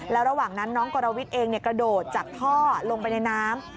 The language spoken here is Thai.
แล้วระหว่างนั้นน้องกรวิทย์เองกระโดดจากท่อลงไปในน้ำ